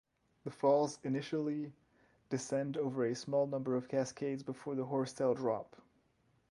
The falls initially descend over a small number of cascades before the horsetail drop.